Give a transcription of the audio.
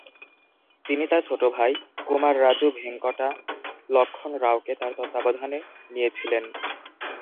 তিনি তার ছোট ভাই কোমাররাজু ভেঙ্কটা লক্ষ্মণ রাওকে তার তত্ত্বাবধানে নিয়েছিলেন।